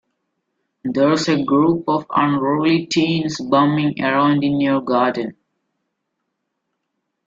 There's a group of unruly teens bumming around in your garden.